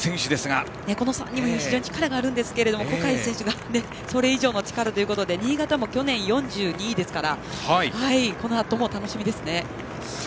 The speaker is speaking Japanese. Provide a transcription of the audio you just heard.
今の３人も力があるんですが小海選手がそれ以上の力ということで新潟も去年４２位ですからこのあとも楽しみですね。